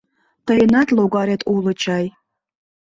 Тыйынат логарет уло чай...